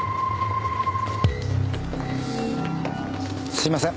すいません。